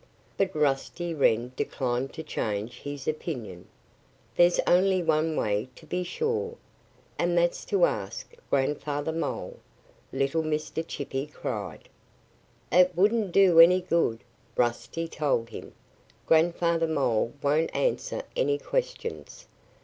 But Rusty Wren declined to change his opinion. "There's only one way to be sure; and that's to ask Grandfather Mole!" little Mr. Chippy cried. "It wouldn't do any good," Rusty told him. "Grandfather Mole won't answer any questions.